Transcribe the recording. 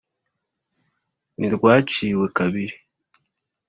ntirwaciwe kabiri.